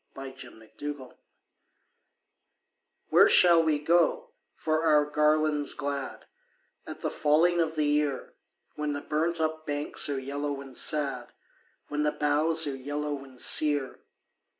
A Song of Autumn "Where shall we go for our garlands glad At the falling of the year, When the burnt up banks are yellow and sad, When the boughs are yellow and sere?